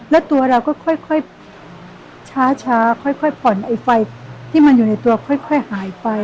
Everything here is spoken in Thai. แล้วตัวเราก็ค่อยช้าค่อยผ่อนไอ้ไฟที่มันอยู่ในตัวค่อยหายไป